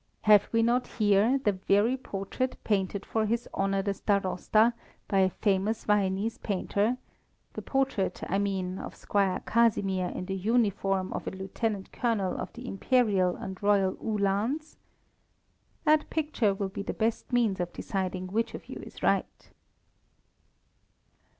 Have we not here the very portrait painted for his honour the Starosta by a famous Viennese painter the portrait, I mean, of Squire Casimir in the uniform of a lieutenant colonel of the Imperial and Royal Uhlans? That picture will be the best means of deciding which of you is right."